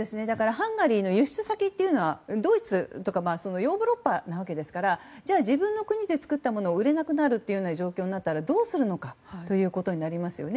ハンガリーの輸出先はドイツとかヨーロッパなわけですからじゃあ自分の国で作ったものが売れない状況になったらどうするのかということになりますよね。